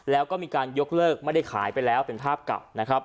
แล้วก็มีการยกเลิกไม่ได้ขายไปแล้วเป็นภาพเก่านะครับ